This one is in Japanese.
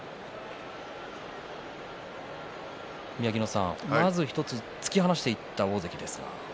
宮城野さん、まず１つ突き放していった大関ですが。